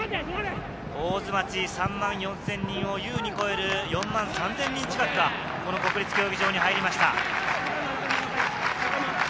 大津町、３万４０００人をゆうに超える４万３０００人近くがこの国立競技場に入りました。